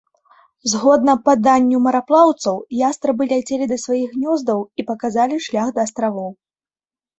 Згодна паданню мараплаўцаў, ястрабы ляцелі да сваіх гнёздаў і паказалі шлях да астравоў.